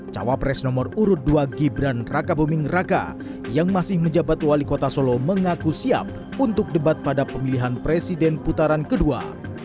cawapres nomor urut dua gibran raka buming raka yang masih menjabat wali kota solo mengaku siap untuk debat pada pemilihan presiden putaran kedua